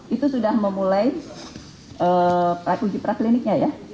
itu sudah memulai uji prakliniknya ya